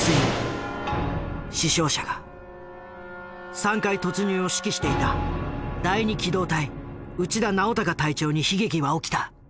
３階突入を指揮していた第二機動隊内田尚孝隊長に悲劇は起きた。